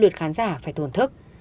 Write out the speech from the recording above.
được khán giả phải thổn thức